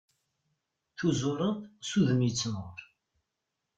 Tuzureḍ s wudem yettnur.